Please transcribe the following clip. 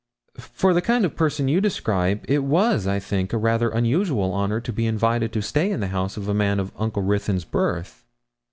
'For the kind of person you describe, it was, I think, a rather unusual honour to be invited to stay in the house of a man of Uncle Ruthyn's birth.'